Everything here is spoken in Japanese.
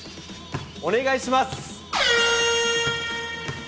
お願いします。